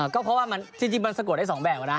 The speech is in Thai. ก็เพราะว่าจริงมันสะกดได้๒แบบนะ